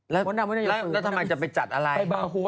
แล้วบอร์โหสจะไปจัดอะไร